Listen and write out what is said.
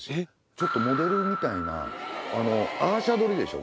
ちょっとモデルみたいなアー写撮りでしょ